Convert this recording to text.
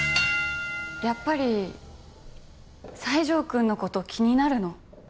やっぱり西条くんの事気になるの？